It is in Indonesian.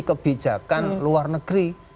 kebijakan luar negeri